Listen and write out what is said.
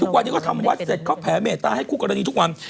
ทุกวันนี้เขาทำวัดเสร็จเขาแผเมตตาให้คู่กรณีทุกวัน